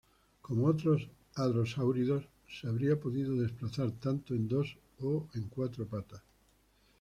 Como otros hadrosáuridos, se habría podido desplazar tanto en dos o en cuatro patas.